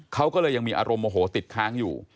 เขาก็เลยยังมีอารมณ์โมโหติดค้างอยู่